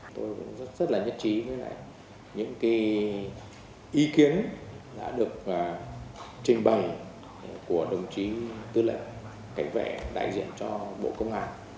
tôi cũng rất là nhất trí với những ý kiến đã được trình bày của đồng chí tư lệnh cảnh vệ đại diện cho bộ công an